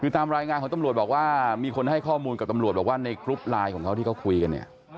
คือตามรายงานของตำรวจบอกว่ามีคนให้ข้อมูลกับตำรวจบอกว่าในกรุ๊ปไลน์ของเขาที่เขาคุยกันเนี่ย